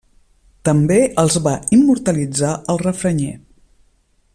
També els va immortalitzar el refranyer.